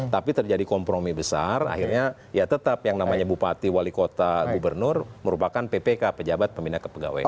tapi terjadi kompromi besar akhirnya ya tetap yang namanya bupati wali kota gubernur merupakan ppk pejabat pembina kepegawaian